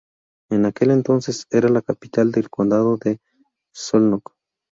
En aquel entonces era la capital del condado de Szolnok.